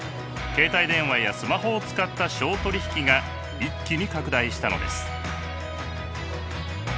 携帯電話やスマホを使った商取引が一気に拡大したのです。